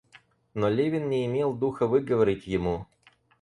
Но Левин не имел духа выговорить ему.